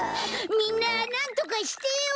みんななんとかしてよ！